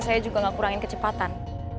saya juga gak kurangin kecepatan